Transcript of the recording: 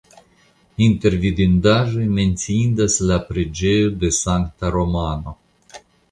Inter vidindaĵoj menciindas la preĝejo de Sankta Romano.